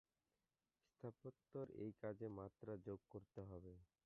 স্থাপত্যের এই কাজে মাত্রা যোগ করতে হবে।